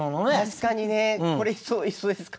確かにねこれ磯磯ですか？